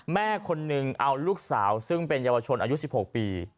แม่คนนึงเอาลูกสาวซึ่งเป็นเยาวชนอายุ๑๖ปี